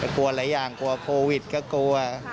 กลัวหลายอย่างกลัวโควิดก็กลัว